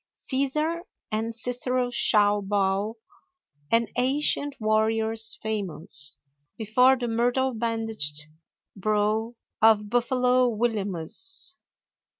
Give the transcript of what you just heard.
Cæsar and Cicero shall bow, And ancient warriors famous, Before the myrtle bandaged brow Of Buffalo Williamus.